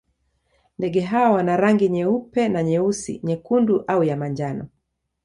Ndege hawa wana rangi nyeupe na nyeusi, nyekundu au ya manjano.